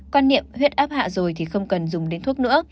quan niệm huyết áp hạ rồi thì không cần dùng đến thuốc nữa